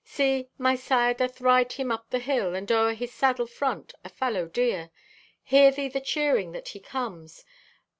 See, my sire doth ride him up the hill and o'er his saddle front a fallow deer. Hear thee the cheering that he comes!